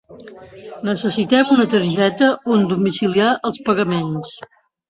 Necessitem una targeta on domiciliar els pagaments.